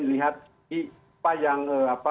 dilihat apa yang